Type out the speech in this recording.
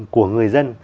của người dân